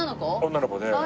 女の子で。